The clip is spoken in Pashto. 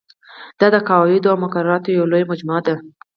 دا د قواعدو او مقرراتو یوه لویه مجموعه ده.